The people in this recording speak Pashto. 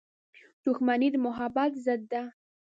• دښمني د محبت ضد ده.